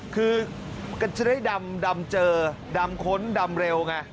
คือก็จะได้ดำเจอดำค้นดำเร็วไง